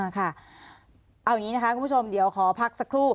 เอาอย่างนี้นะคะคุณผู้ชมเดี๋ยวขอพักสักครู่